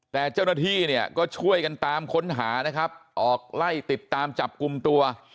แต่เจ้าหน้าที่เนี่ยก็ช่วยกันตามค้นหานะครับออกไล่ติดตามจับกลุ่มตัว